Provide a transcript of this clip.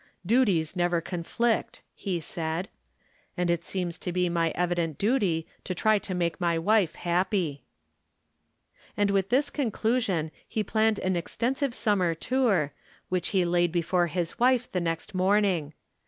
" Duties never conflict," he said, " and it seems to be my evident duty to try to make my wife happy." And with this conclusion he planned an exten sive summer tour, which he laid before his wife the next morning.